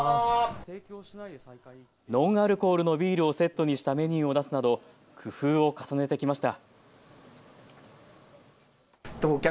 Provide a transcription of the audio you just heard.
ノンアルコールのビールをセットにしたメニューを出すなど工夫を重ねてきました。